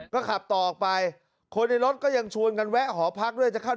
ก็ขับต่อไปคนรถก็ยังชวนกันแวะหอพักด้วย